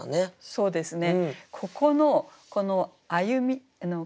そうですね。